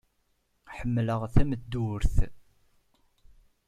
Ḥemmleɣ tameddurt.